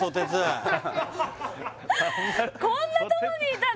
こんなとこにいたの？